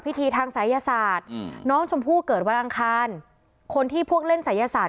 พิธีทางศัยศาสตร์อืมน้องชมพู่เกิดวันอังคารคนที่พวกเล่นศัยศาส